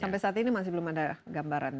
sampai saat ini masih belum ada gambaran